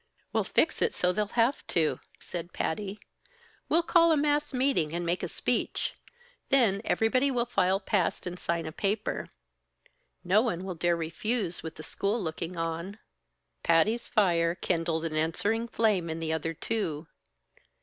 "We'll fix it so they'll have to," said Patty. "We'll call a mass meeting and make a speech. Then everybody will file past and sign a paper. No one will dare refuse with the school looking on." Patty's fire kindled an answering flame in the other two.